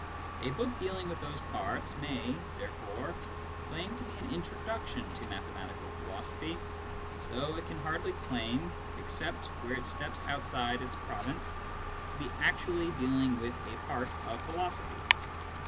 A book dealing with those parts may, therefore, claim to be an introduction to mathematical philosophy, though it can hardly claim, except where it steps outside its province, to be actually dealing with a part of philosophy.